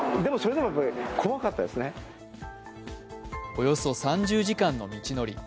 およそ３０時間の道のり。